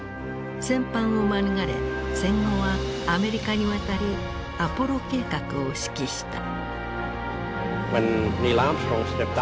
戦犯を免れ戦後はアメリカに渡りアポロ計画を指揮した。